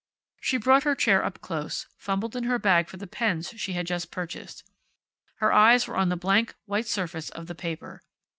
She brought her chair up close, fumbled in her bag for the pens she had just purchased. Her eyes were on the blank white surface of the paper.